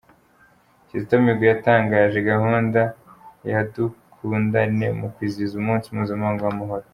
Kizito Mihigo yatangaje gahunda Yadukundane mu kwizihiza umunsi mpuzamahanga w’amahoro